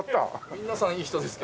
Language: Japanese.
皆さんいい人ですけど。